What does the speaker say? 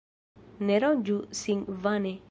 Ne ronĝu sin vane.